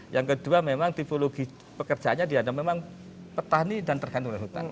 yang kedua memang tipologi pekerjaannya dia memang petani dan tergantung dari hutan